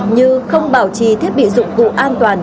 như không bảo trì thiết bị dụng cụ an toàn